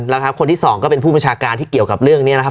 แล้วครับคนที่สองก็เป็นผู้บัญชาการที่เกี่ยวกับเรื่องนี้นะครับ